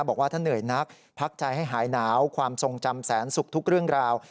บอกว่าถ้าเหนื่อยนักพักใจให้หายหนาวความทรงจำแสนสุขทุกเรื่องราว